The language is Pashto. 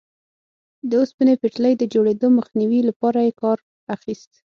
د اوسپنې پټلۍ د جوړېدو مخنیوي لپاره یې کار اخیست.